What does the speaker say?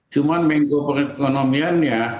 cuma menggo perekonomiannya